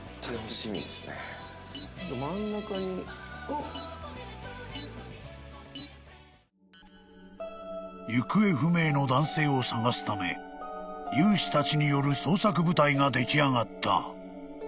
わかるぞ［行方不明の男性を捜すため有志たちによる捜索部隊が出来上がった］